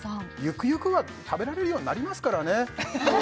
ゆくゆくは食べられるようになりますからね